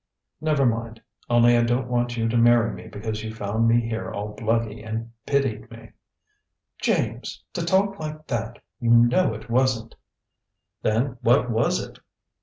"Never mind. Only I don't want you to marry me because you found me here all bluggy and pitied me." "James! To talk like that! You know it wasn't " "Then, what was it?"